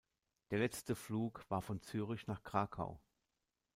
Der letzte Flug war von Zürich nach Krakau.